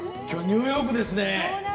きょうニューヨークですね。